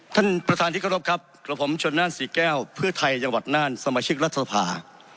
ท่านประธานที่เคารพครับกับผมชนนั่นศรีแก้วเพื่อไทยจังหวัดน่านสมาชิกรัฐสภา